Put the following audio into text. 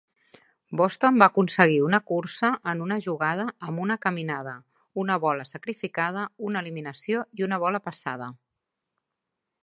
Boston va aconseguir una cursa en una jugada amb una caminada, una bola sacrificada, una eliminació i una bola passada.